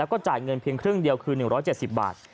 แล้วก็จ่ายเงินเพียงครึ่งเดียวคือ๑๗๐บาท